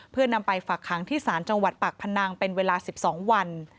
เพื่อนำไปฝากขังที่ศาลจังหวัดปากพนังเป็นเวลา๑๒วัน